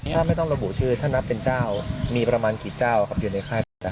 ถ้าไม่ต้องระบุชื่อถ้านับเป็นเจ้ามีประมาณกี่เจ้าครับอยู่ในค่าตัวได้